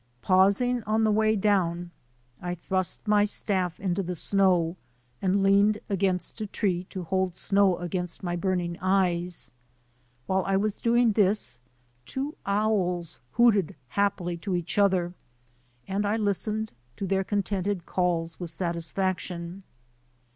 Pausing on the way down, I thrust my staff into the snow and leaned against a tree to hold snow against my burning eyes. While I was doing this two owls hooted happily to each other and I lis tened to their contented calls with satisfaction.